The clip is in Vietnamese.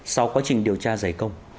sau quá trình điều tra giấy công